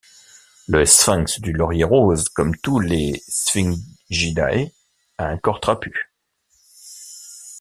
Le Sphinx du laurier-rose, comme tous les Sphingidae a un corps trapu.